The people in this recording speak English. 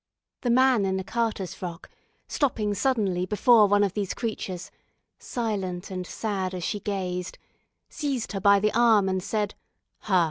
The man in the carter's frock, stopping suddenly before one of these creatures, silent and sad as she gazed, seized her by the arm, and said, "Ha!